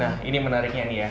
nah ini menariknya nih ya